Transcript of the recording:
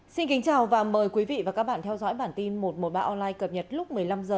xin kính chào và mời quý vị và các bạn theo dõi bản tin một trăm một mươi ba online cập nhật lúc một mươi năm h